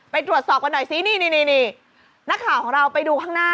ไปตรวจสอบกันหน่อยสินี่นักข่าวของเราไปดูข้างหน้า